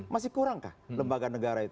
masih kurangkah lembaga negara itu